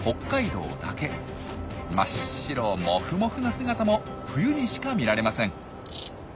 真っ白モフモフな姿も冬にしか見られません。